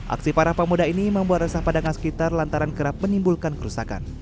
aksi para pemuda ini membuat resah padang sekitar lantaran kerap menimbulkan kerusakan